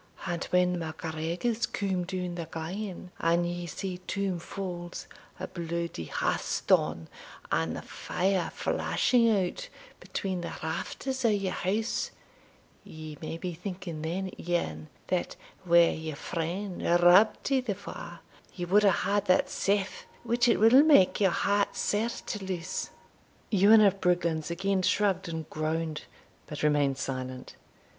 "And when the MacGregors come down the glen, and ye see toom faulds, a bluidy hearthstone, and the fire flashing out between the rafters o' your house, ye may be thinking then, Ewan, that were your friend Rob to the fore, you would have had that safe which it will make your heart sair to lose." Ewan of Brigglands again shrugged and groaned, but remained silent.